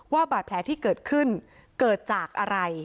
ว่าบาดแผลที่เกิดขึ้นเกิดจากอะไร